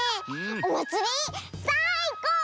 おまつりさいこう！